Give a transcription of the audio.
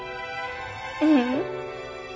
ううん。